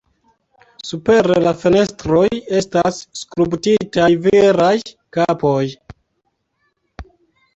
Super la fenestroj estas skulptitaj viraj kapoj.